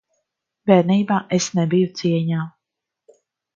Bērnībā es nebiju cieņā.